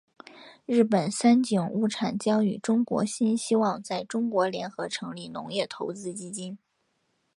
日本三井物产将与中国新希望在中国联合成立农业投资基金。